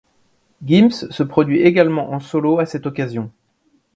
Gims se produit également en solo à cette occasion.